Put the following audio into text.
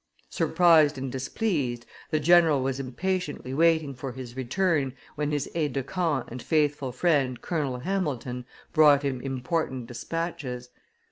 Surprised and displeased, the general was impatiently waiting for his return, when his aide de camp and faithful friend, Colonel Hamilton, brought him important despatches.